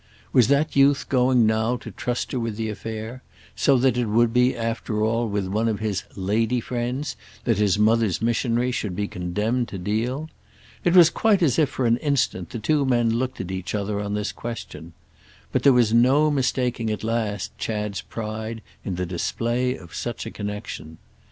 Was that youth going now to trust her with the affair—so that it would be after all with one of his "lady friends" that his mother's missionary should be condemned to deal? It was quite as if for an instant the two men looked at each other on this question. But there was no mistaking at last Chad's pride in the display of such a connexion.